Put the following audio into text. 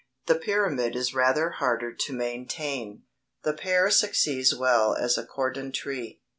The pyramid is rather harder to maintain. The pear succeeds well as a cordon tree.